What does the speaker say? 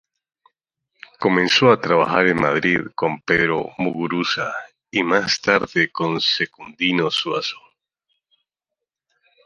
Comenzó a trabajar en Madrid con Pedro Muguruza y más tarde con Secundino Zuazo.